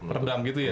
peredam gitu ya